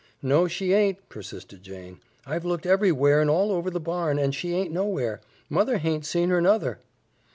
"No, she aint," persisted Jane. "I've looked everywhere and all over the barn, and she aint nowhere. Mother haint seen her, nuther."